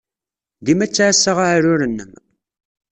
Dima ttɛassa aɛrur-nnem.